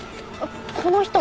この人。